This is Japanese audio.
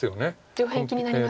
上辺気になりますか。